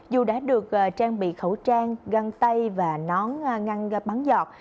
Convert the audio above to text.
dù đã được trang bị khẩu trang găng tay và nón ngăn bắn giọt